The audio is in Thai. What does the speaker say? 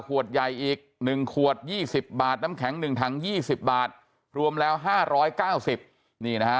ขวดใหญ่อีก๑ขวด๒๐บาทน้ำแข็ง๑ถัง๒๐บาทรวมแล้ว๕๙๐นี่นะฮะ